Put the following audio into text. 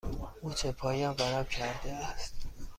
مچ پایم ورم کرده است.